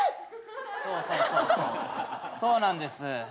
そうそうそうなんです。